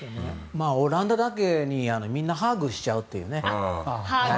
オランダだけにみんなハーグしちゃうというね。